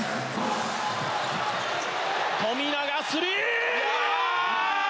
富永スリー！